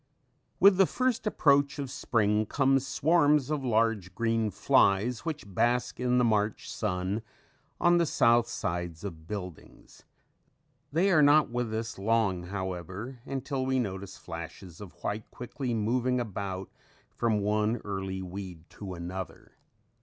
With the first approach of spring comes swarms of large green flies which bask in the March sun on the south sides of buildings. They are not with us long, however, until we notice flashes of white quickly moving about from one early weed to another.